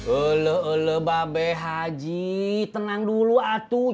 ele ele babe haji tenang dulu atuh